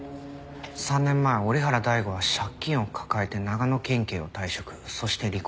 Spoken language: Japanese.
３年前折原大吾は借金を抱えて長野県警を退職そして離婚。